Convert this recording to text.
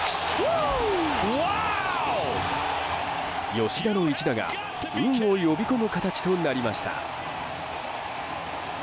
吉田の一打が運を呼び込む形となりました。